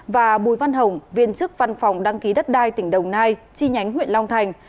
và bùi văn hồng viên chức văn phòng đăng ký đất đai tỉnh đồng nai chi nhánh huyện long thành